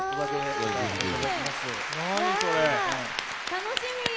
楽しみ！